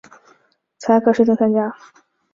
才可申请参加